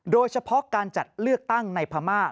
โดยเฉพาะการจัดเลือกตั้งในพม่า